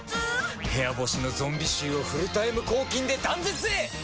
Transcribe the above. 部屋干しのゾンビ臭をフルタイム抗菌で断絶へ！